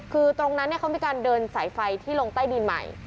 คือตรงนั้นเขามีการเดินสายไฟที่ลงใต้ดินใหม่